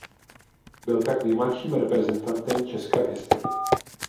Byl tak nejmladším reprezentantem Česka v historii.